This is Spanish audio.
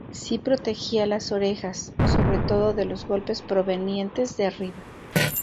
Sí protegía las orejas, sobre todo de los golpes provenientes de arriba.